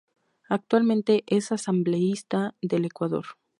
Actualmente, es Asambleísta del Ecuador.